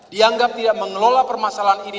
dianggap tidak mengelola permasalahan ini